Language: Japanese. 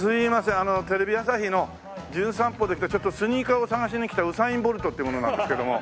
あのテレビ朝日の『じゅん散歩』で来たちょっとスニーカーを探しに来たウサイン・ボルトって者なんですけども。